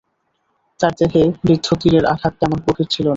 তার দেহে বিদ্ধ তীরের আঘাত তেমন গভীর ছিল না।